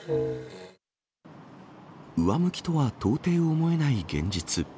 上向きとは到底思えない現実。